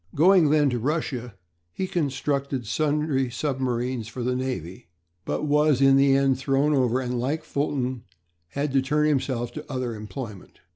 Going then to Russia he constructed sundry submarines for the navy; but was in the end thrown over, and, like Fulton, had to turn himself to other employment.